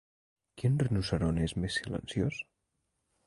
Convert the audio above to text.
Quin rinoceront és més silenciós?